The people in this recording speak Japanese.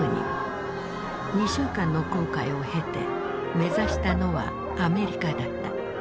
２週間の航海を経て目指したのはアメリカだった。